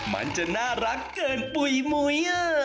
มันจะน่ารักเกินปุ๋ยมุ้ย